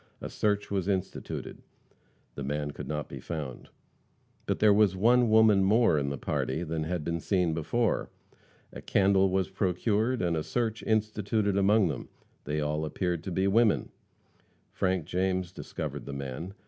A search was instituted. The man could not be found. But there was one woman more in the party than had been seen before. A candle was procured and a search instituted among them. They all appeared to be women. Frank James discovered the man.